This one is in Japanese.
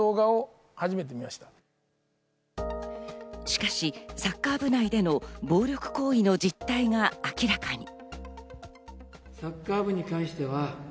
しかし、サッカー部内での暴力行為の実態が明らかに。